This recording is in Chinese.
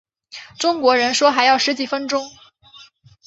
中国人说还要十几分钟